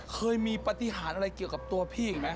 เคยมีปฏิหารอะไรเกี่ยวกับตัวพี่อีกไหม